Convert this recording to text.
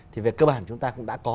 thì về cơ bản chúng ta cũng đã có